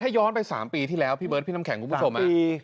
ย้อนไป๓ปีที่แล้วพี่เบิร์ดพี่น้ำแข็งคุณผู้ชม